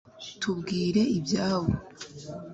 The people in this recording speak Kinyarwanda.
tubwire ibyabo